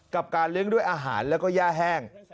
กับการเลี้ยงด้วยอาหารแล้วก็ย่าแห้ง